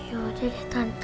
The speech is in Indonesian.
iya ada deh tante